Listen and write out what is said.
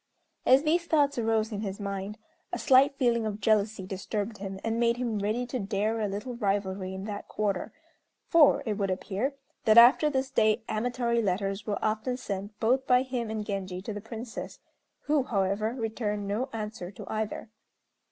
As these thoughts arose in his mind, a slight feeling of jealousy disturbed him, and made him ready to dare a little rivalry in that quarter; for, it would appear, that after this day amatory letters were often sent both by him and Genji to the Princess, who, however, returned no answer to either.